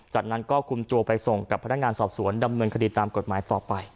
จากนั้นก็คุมตัวไปส่งกับพนักงานสอบสวนดำเนินคดีตามกฎหมายต่อไป